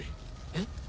えっ？